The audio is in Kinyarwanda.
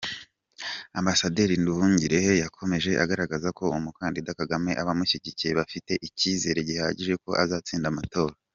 Ambasaderi Nduhungirehe yakomeje agaragaza ko umukandida Kagame abamushyigikiye bafite icyizere gihagije ko azatsinda amatora.